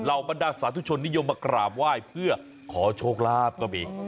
บรรดาสาธุชนนิยมมากราบไหว้เพื่อขอโชคลาภก็มี